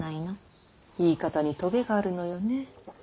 言い方にトゲがあるのよね。